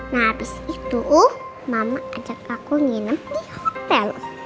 nah abis itu mama ajak aku nginap di hotel